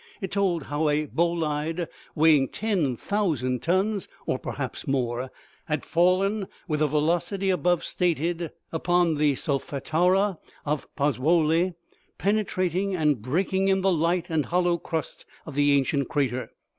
It told how a bolide, weighing ten thousand tons, or perhaps more, had fallen with the velocity above stated upon the solfatara of Poz zuoli, penetrating and breaking in the light and hollow crust of the ancient crater.